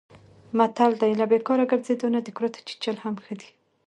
متل دی: له بیکاره ګرځېدلو نه د کورتو چیچل هم ښه دي.